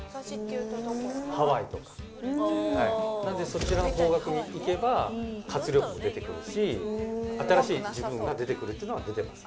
なんでそちらの方角に行けば活力も出てくるし新しい自分が出てくるってのが出てます。